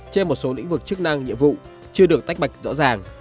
trên một số lĩnh vực chức năng nhiệm vụ chưa được tách bạch rõ ràng